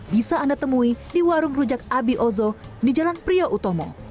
bisa anda temui di warung rujak abi ozo di jalan pria utomo